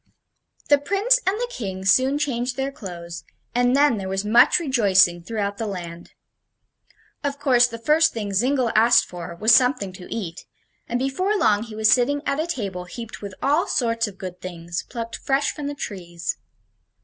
The Prince and the King soon changed their clothes, and then there was much rejoicing throughout the land. Of course the first thing Zingle asked for was something to eat, and before long he was sitting at a table heaped with all sorts of good things, plucked fresh from the trees.